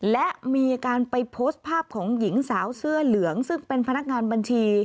และมีการไปโพสต์ภาพของหญิงสาวเสื้อเหลืองซึ่งเป็นพนักงานบัญชี